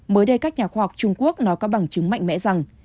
mới đây các nhà khoa học trung quốc nó có bằng chứng mạnh mẽ rằng